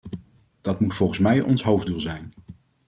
Dat moet volgens mij ons hoofddoel zijn.